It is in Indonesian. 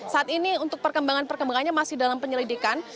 saat ini untuk perkembangan perkembangannya masih dalam penyelidikan